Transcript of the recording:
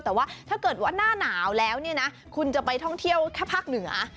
แต่ว่าถ้าเกิดว่าหน้าหนาวแล้วเนี่ยนะคุณจะไปท่องเที่ยวแค่ภาคเหนือ